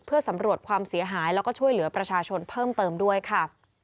เพื่อสำรวจความเสียหายแล้วก็ช่วยเหลือประชาชนเพิ่มเติมด้วยค่ะ